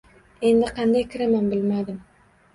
Endi qanday kiraman, bilmadim.